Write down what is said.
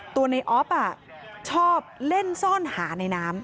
ตัวในออฟชอบเล่นซ่อนหาในน้ำ